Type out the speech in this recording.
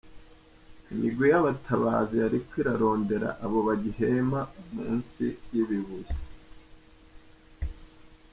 Imirwi y'abatabazi yariko irarondera aboba bagihema munsi y'ibibuye.